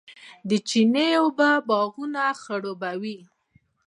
د چینو اوبه باغونه خړوبوي.